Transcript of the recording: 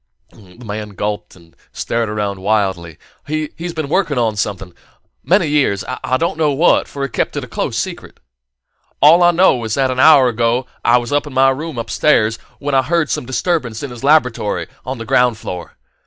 The man gulped and stared around wildly. "He's been working on something many years I don't know what, for he kept it a close secret. All I knew is that an hour ago I was in my room upstairs, when I heard some disturbance in his laboratory, on the ground floor.